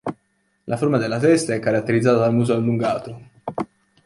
La forma della testa è caratterizzata dal muso allungato.